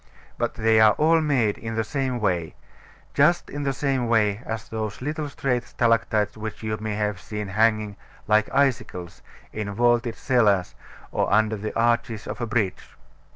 But they are all made in the same way; just in the same way as those little straight stalactites which you may have seen hanging, like icicles, in vaulted cellars, or under the arches of a bridge.